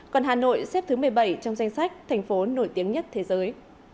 còn hà nội xếp thứ một mươi bảy trong danh sách thành phố nổi tiếng nhất thế giới